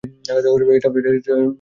এটাও উড়তে পারে।